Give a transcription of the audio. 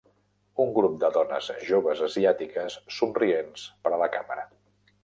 Un grup de dones joves asiàtiques somrients per a la càmera